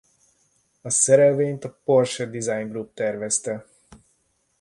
A szerelvényt a Porsche Design Group tervezte.